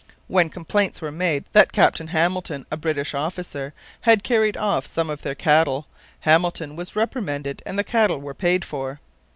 When complaints were made that Captain Hamilton, a British officer, had carried off some of their cattle, Hamilton was reprimanded and the cattle were paid for.